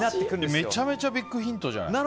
めちゃくちゃビッグヒントじゃない。